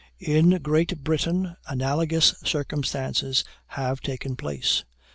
In. Great Britain, analogous circumstances have taken place.